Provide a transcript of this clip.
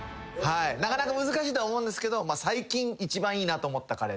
なかなか難しいと思うんですけど最近一番いいなと思ったカレーでもいいんです。